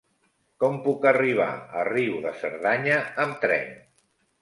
Com puc arribar a Riu de Cerdanya amb tren?